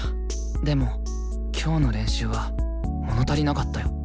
でも今日の練習は物足りなかったよ。